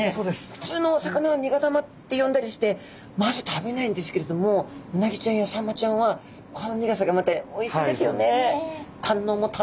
ふつうのお魚は苦玉って呼んだりしてまず食べないんですけれどもうなぎちゃんやサンマちゃんはこの苦さがまたおいしいんですよね。